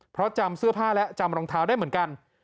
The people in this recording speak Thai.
เพราะจำเสื้อผ้าและจำรองเท้าได้เหมือนกัน